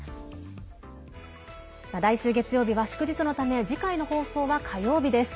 来週月曜日は祝日のため次回の放送は火曜日です。